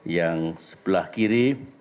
yang sebelah kiri